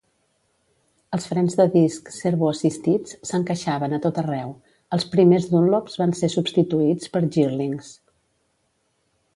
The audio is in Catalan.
Els frens de disc servo assistits s'encaixaven a tot arreu: els primers Dunlops van ser substituïts per Girlings.